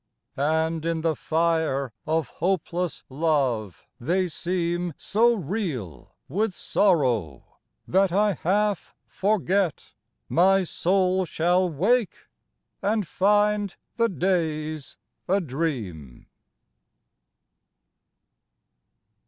And in the fire of hopeless love they seem So real with sorrow, that I half forget My soul shall wake and find the days a dream.